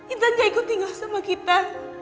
intan gak ikut tinggal sama kita